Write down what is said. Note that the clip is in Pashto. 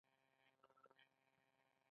د حجم زیاتوالی د لوی شوي کسر مخرج دی